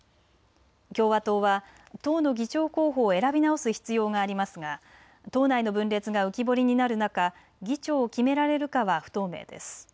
共和党は党の議長候補を選び直す必要がありますが党内の分裂が浮き彫りになる中、議長を決められるかは不透明です。